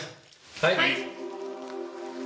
はい！